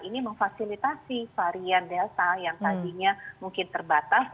ini memfasilitasi varian delta yang tadinya mungkin terbatas